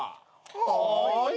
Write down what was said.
はい。